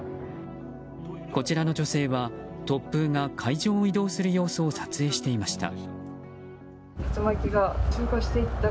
こちらの女性は突風が海上を移動する様子を撮影していました。